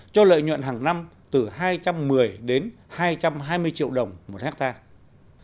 cho lợi nhuận hàng năm từ hai trăm một mươi đến hai trăm hai mươi triệu đồng một hectare